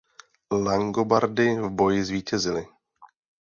Langobardi v boji zvítězili.